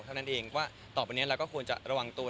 เท่านั้นเองว่าต่อไปนี้เราก็ควรจะระวังตัว